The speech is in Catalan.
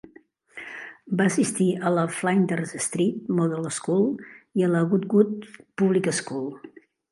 Va assistir a la Flinders Street Model School i a la Goodwood Public School.